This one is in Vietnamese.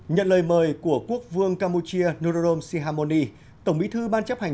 nhận lời mời của quốc vương campuchia norom sihamoni tổng bí thư ban chấp hành